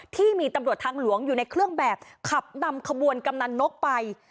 ที่มีตำรวจทางหลวงอยู่ในเครื่องแบบขับนำขบวนกำนันนกไป